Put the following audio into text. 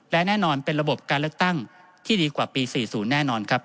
และแน่นอนเป็นระบบการเลือกตั้งที่ดีกว่าปี๔๐แน่นอนครับ